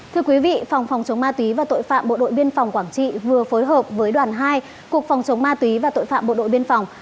thưa quý vị phòng phòng chống ma túy và tội phạm bộ đội biên phòng quảng trị vừa phối hợp với đoàn hai cục phòng chống ma túy và tội phạm bộ đội biên phòng